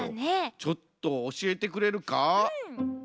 ちょっとおしえてくれるか？